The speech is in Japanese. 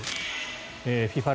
ＦＩＦＡ